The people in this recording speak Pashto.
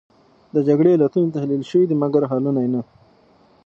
د جګړې علتونه تحلیل شوې دي، مګر حلونه نه.